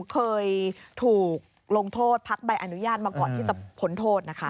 เคยถูกลงโทษพักใบอนุญาตมาก่อนที่จะพ้นโทษนะคะ